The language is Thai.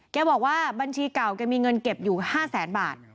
แกบอกว่าบัญชีเก่าแกมีเงินเก็บอยู่๕แสนบาท